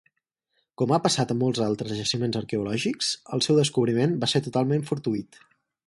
Com ha passat en molts altres jaciments arqueològics, el seu descobriment va ser totalment fortuït.